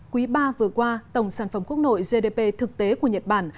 quý ba vừa qua tổng sản phẩm quốc nội gdp thực tế của nhật bản